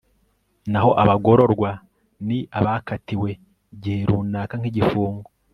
naho abagororwa ni abakatiwe igihe runaka k'igifungo